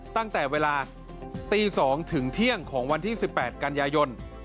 ตั้งแต่เวลาตี๒ถึงเที่ยงของวันที่๑๘กันยายน